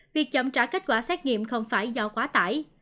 việc chậm trả kết quả xét nghiệm không phải do quá tải